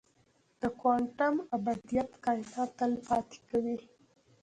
د کوانټم ابدیت کائنات تل پاتې کوي.